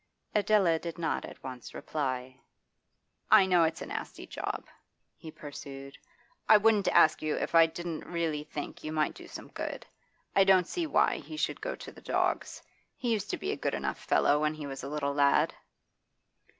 Adela did not at once reply. 'I know it's a nasty job,' he pursued. 'I wouldn't ask you if I didn't really think you might do some good. I don't see why he should go to the dogs. He used to be a good enough fellow when he was a little lad.